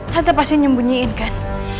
tante pasti nyembunyiin kan